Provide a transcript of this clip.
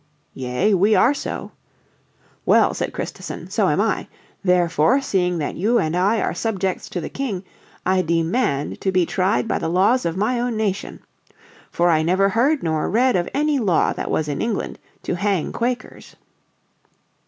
"Yea, we are so." "Well," said Christison, "so am I. Therefore, seeing that you and I are subjects to the King, I demand to be tried by the laws of my own nation. For I never heard, nor read, of any law that was in England to hang Quakers."